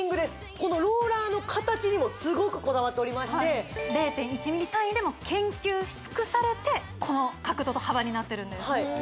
このローラーの形にもすごくこだわっておりまして０．１ミリ単位でも研究しつくされてこの角度と幅になってるんです